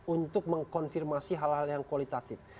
untuk mengkonfirmasi hal hal yang kualitatif